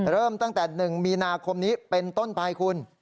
เริ่มตั้งแต่๑มีนาคมนี้เป็นต้นไปคุณ